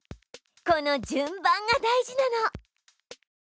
この「順番」が大事なの！